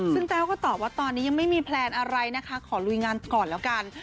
ซึ่งแต้วก็ตอบว่าตอนนี้ยังไม่มีแพลนอะไรนะคะขอลุยงานก่อนแล้วกัน